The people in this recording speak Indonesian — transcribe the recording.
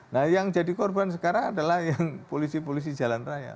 nah yang jadi korban sekarang adalah yang polisi polisi jalan raya